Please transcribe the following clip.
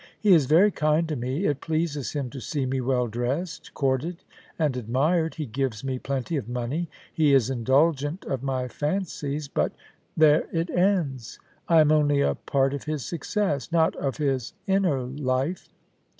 He is very kind to me ; it pleases him to see me well dressed, courted, and admired ; he gives me plenty of money ; he is indulgent of my fancies — but there it ends. I am only a part of his success — not of his inner life.